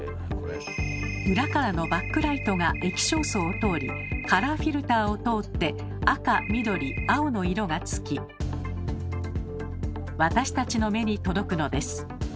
裏からのバックライトが液晶層を通りカラーフィルターを通って赤緑青の色がつき私たちの目に届くのです。